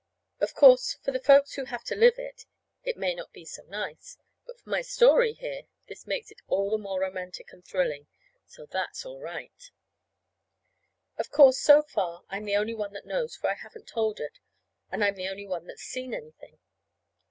Of course, for the folks who have to live it, it may not be so nice; but for my story here this makes it all the more romantic and thrilling. So that's all right. Of course, so far, I'm the only one that knows, for I haven't told it, and I'm the only one that's seen anything.